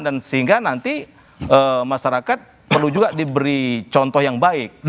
dan sehingga nanti masyarakat perlu juga diberi contoh yang baik